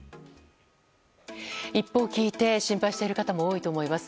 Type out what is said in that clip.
一報を聞いて心配している方も多いと思います。